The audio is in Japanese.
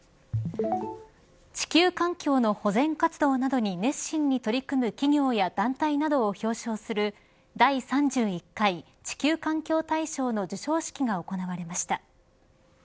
地球環境の保全活動などに熱心に取り組む企業や団体などを表彰する第３１回地球環境大賞の授賞式が行われました。